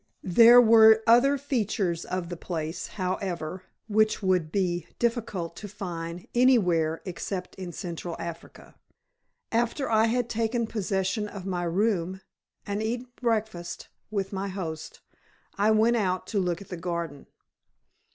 There were other features of the place, however, which it would be difficult to find anywhere except in Central Africa. After I had taken possession of my room, and eaten breakfast with my host, I went out to look at the garden.